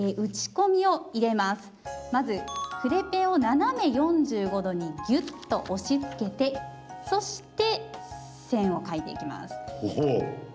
まず筆ペンを斜め４５度にぎゅっと押しつけてそして線を書いていきます。